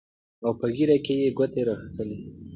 او پۀ ږيره کښې يې ګوتې راښکلې